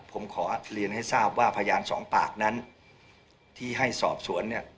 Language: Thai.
ผมขอเรียนให้ทราบว่าพยานสองปากนั้นที่ให้สอบสวนเนี่ย